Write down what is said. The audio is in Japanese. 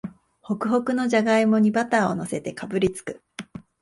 ホクホクのじゃがいもにバターをのせてかぶりつく